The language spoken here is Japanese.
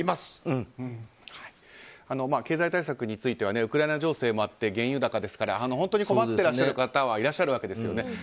経済対策についてはウクライナ情勢もあって原油高ですから本当に困っていらっしゃる方もいらっしゃるわけですよね。